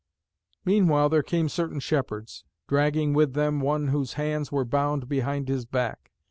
Meanwhile there came certain shepherds, dragging with them one whose hands were bound behind his back.